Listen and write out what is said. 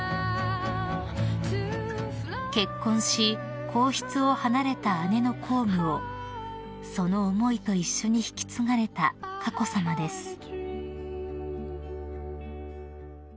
［結婚し皇室を離れた姉の公務をその思いと一緒に引き継がれた佳子さまです］